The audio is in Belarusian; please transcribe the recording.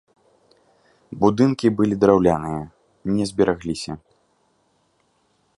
Будынкі былі драўляныя, не зберагліся.